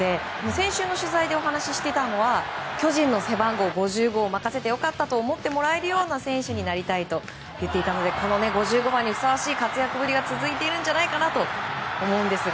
先週の取材でお話ししていたのは巨人の背番号５５を任せてよかった思ってもらえるような選手になりたいと言っていたので５５番にふさわしい活躍ぶりが続いているんじゃないかなと思うんですが。